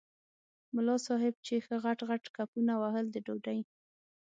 ملا صاحب چې ښه غټ غټ کپونه وهل د ډوډۍ.